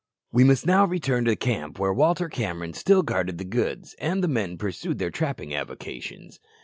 We must now return to the camp where Walter Cameron still guarded the goods, and the men pursued their trapping avocations.